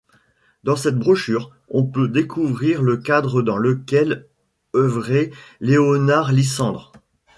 Dans cette brochure, on peut découvrir le cadre dans lequel œuvrait Léonard Lissandre.